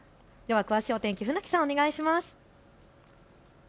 詳しいお天気、船木さん、お願いします。